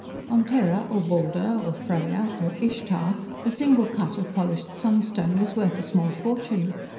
On Terra or Baldur or Freya or Ishtar, a single cut of polished sunstone was worth a small fortune.